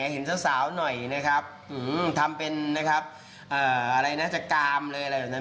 เห็นเศร้าหน่อยทำเป็นอะไรหน้าจะกามอะไรแบบนั้น